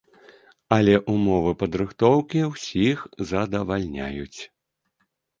Але ўмовы падрыхтоўкі ўсіх задавальняюць.